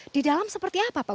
di dalam seperti apa pak